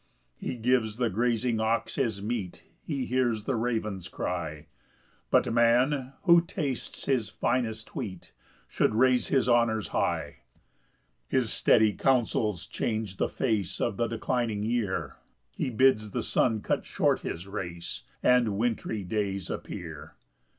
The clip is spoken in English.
3 He gives the grazing ox his meat, He hears the ravens cry; But man, who tastes his finest wheat, Should raise his honours high. 4 His steady counsels change the face Of the declining year; He bids the sun cut short his race, And wintry days appear.